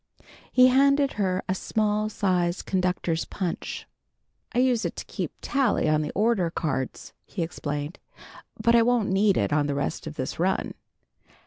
He handed her a small sized conductor's punch. "I use it to keep tally on the order cards," he explained, "but I won't need it on the rest of this run."